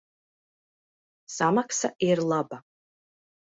Samaksa ir laba.